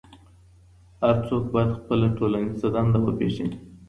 هر څوک بايد خپله ټولنيزه دنده وپېژني.